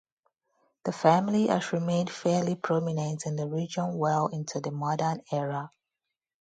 The family has remained fairly prominent in the region well into the modern era.